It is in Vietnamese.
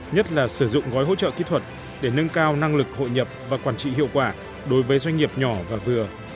nhất là sử dụng gói hỗ trợ kỹ thuật để nâng cao năng lực hội nhập và quản trị hiệu quả đối với doanh nghiệp nhỏ và vừa